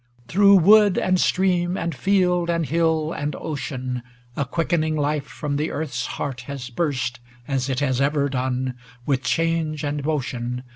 XIX Through wood and stream and field and hill and Ocean, A quickening life from the Earth's heart has burst. As it has ever done, with change and motion.